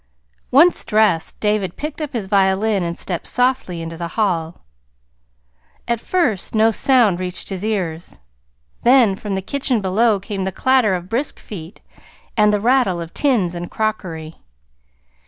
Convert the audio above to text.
Once dressed, David picked up his violin and stepped softly into the hall. At first no sound reached his ears; then from the kitchen below came the clatter of brisk feet and the rattle of tins and crockery.